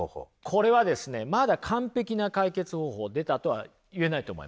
これはですねまだ完璧な解決方法出たとは言えないと思います。